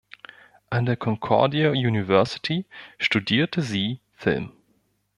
An der Concordia University studierte sie Film.